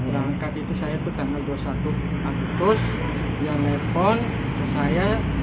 berangkat itu saya itu tanggal dua puluh satu agustus dia nelpon ke saya